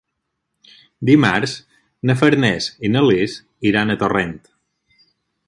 Dimarts na Farners i na Lis iran a Torrent.